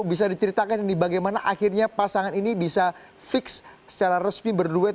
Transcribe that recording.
bisa diceritakan ini bagaimana akhirnya pasangan ini bisa fix secara resmi berduet